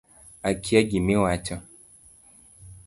Akia gima iwacho